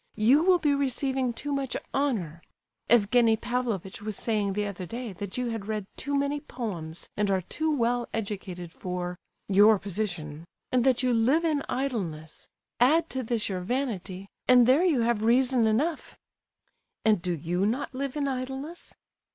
You will be receiving too much honour. Evgenie Pavlovitch was saying the other day that you had read too many poems and are too well educated for—your position; and that you live in idleness. Add to this your vanity, and, there you have reason enough—" "And do you not live in idleness?"